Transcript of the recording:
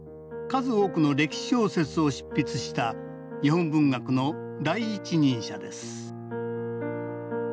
数多くの歴史小説を執筆した日本文学の第一人者です